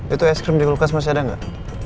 itu es krim di kulkas masih ada nggak